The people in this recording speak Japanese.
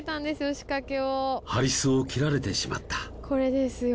仕掛けをハリスを切られてしまったこれですよ